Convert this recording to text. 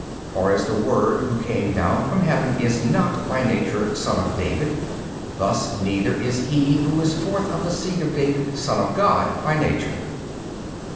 For as the Word Who came down from Heaven is not by nature son |269 of David, thus neither is he who is forth of the seed of David, Son of God by Nature 24.